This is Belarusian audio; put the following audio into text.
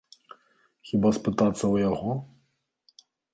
Хіба спытацца ў яго?